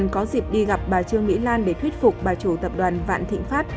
có dịp đi gặp bà trương mỹ lan để thuyết phục bà chủ tập đoàn vạn thịnh pháp